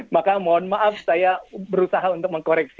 maka mohon maaf saya berusaha untuk mengkoreksi